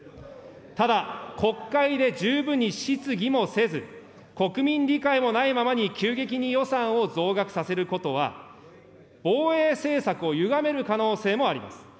ただ、国会で十分に質疑もせず、国民理解もないままに急激に予算を増額させることは、防衛政策をゆがめる可能性もあります。